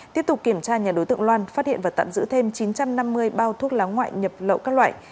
tiếp tục kiểm tra nhà đối tượng loan phát hiện và tạm giữ thêm chín trăm năm mươi bao thuốc lá ngoại nhập lậu các loại